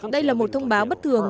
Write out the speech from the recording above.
đây là một thông báo bất thường